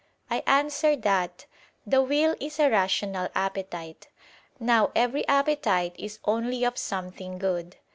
I answer that, The will is a rational appetite. Now every appetite is only of something good.